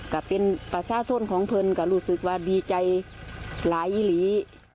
ก็เป็นภาษาสนของเพื่อนก็รู้สึกว่าดีใจหลายอีหลี